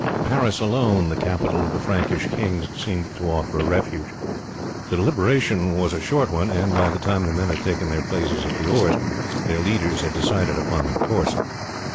Paris alone, the capital of the Frankish kings, seemed to offer a refuge. The deliberation was a short one, and by the time the men had taken their places at the oars their leaders had decided upon their course.